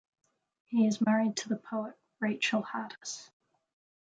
He is married to the poet Rachel Hadas.